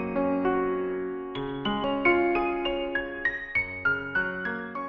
สวัสดีครับ